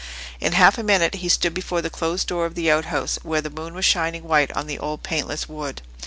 In half a minute he stood before the closed door of the outhouse, where the moon was shining white on the old paintless wood.